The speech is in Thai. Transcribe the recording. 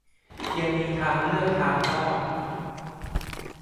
ยังมีทางเลือกทางรอด